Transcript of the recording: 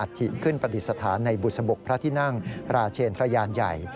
พระบรมอัฐธิขึ้นปฏิสถานในบุษบุคพระที่นั่งราเชียนทะยานใหญ่